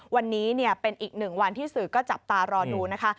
วันนี้เป็นอีกหนึ่งวันที่สื่อก็จับตารอดูนะคะ